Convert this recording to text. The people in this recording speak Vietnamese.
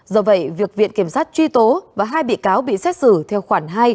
do vậy việc viện kiểm sát truy tố và hai bị cáo bị xét xử theo khoản hai